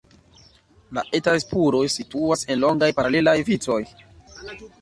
La etaj spuroj situas en longaj, paralelaj vicoj.